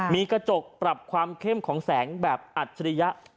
มีกระจกปรับความเข้มของแสงแบบอัจฉริยะ